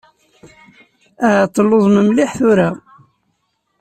Ahat telluẓem mliḥ tura.